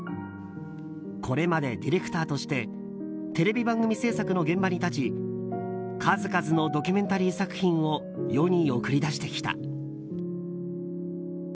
これまでディレクターとしてテレビ番組制作の現場に立ち数々のドキュメンタリー作品を世に送り出してきた。